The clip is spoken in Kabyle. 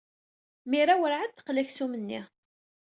Mira werɛad d-teqli aksum-nni.